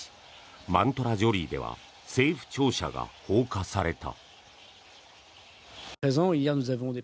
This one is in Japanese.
マントラジョリーでは政府庁舎が放火された。